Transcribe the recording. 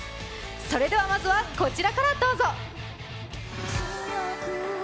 それではまずは、こちらからどうぞ。